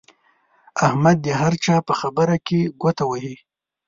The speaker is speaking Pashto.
احمد د هر چا په خبره کې ګوته وهي.